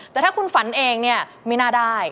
แต่ถ้าคุณฝันเองเนี่ยไม่น่าได้